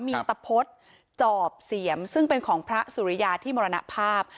มีตะพดจอบเสียมซึ่งเป็นของพระสุริยาที่มรณภาพ